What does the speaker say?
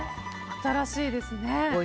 新しいですね。